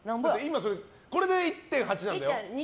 こで１．８なんだよ。